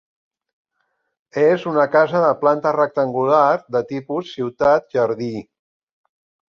És una casa de planta rectangular de tipus ciutat-jardí.